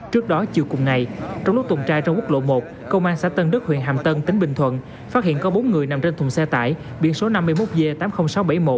trước đó chiều cùng ngày trong lúc tuần tra trên quốc lộ một công an xã tân đức huyện hàm tân tỉnh bình thuận phát hiện có bốn người nằm trên thùng xe tải biển số năm mươi một g tám mươi nghìn sáu trăm bảy mươi một